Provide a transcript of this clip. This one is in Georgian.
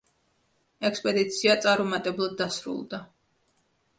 ექსპედიცია წარუმატებლად დასრულდა.